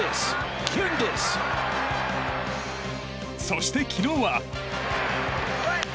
そして昨日は。